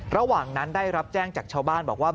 ระหว่างนั้นได้รับแจ้งจากชาวบ้านบอกว่า